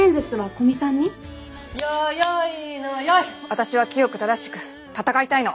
私は清く正しく戦いたいの。